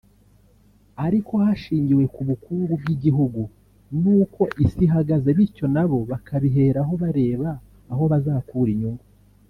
ariko hashingiwe ku bukungu bw’igihugu n’uko isi ihagaze bityo na bo bakabiheraho bareba aho bazakura inyungu